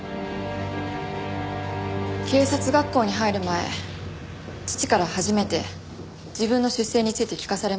警察学校に入る前父から初めて自分の出生について聞かされました。